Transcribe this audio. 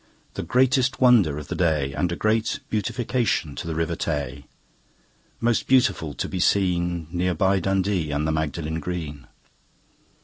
The greatest wonder of the day, And a great beautification to the River Tay, Most beautiful to be seen, Near by Dundee and the Magdalen Green.